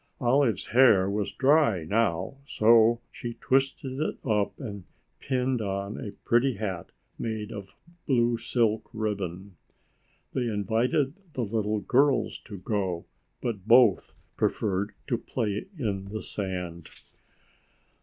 Olive's hair was dry now, so she twisted it up and pinned on a pretty hat made of blue silk ribbon. They invited the little girls to go, but both preferred to play in the sand.